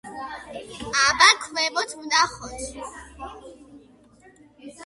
აბა ქვემოთ ვნახოთ.